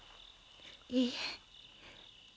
いいえ。